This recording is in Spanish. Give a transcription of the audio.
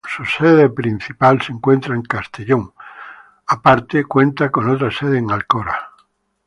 Su sede principal se encuentra en Castellón; aparte, cuenta con otra sede en Alcora.